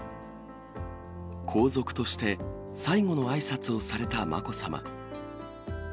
皇族として最後のあいさつをされたまこさま。